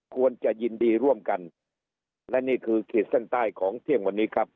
ควรจะยินดีร่วมกันและนี่คือขีดเส้นใต้ของเที่ยงวันนี้ครับ